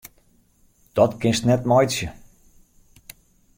Dat kinst net meitsje!